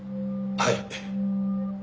はい。